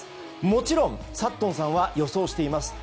もちろんサットンさんは予想しています。